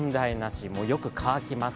よく乾きます。